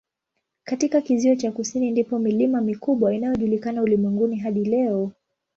Katika kizio cha kusini ndipo milima mikubwa inayojulikana ulimwenguni hadi leo.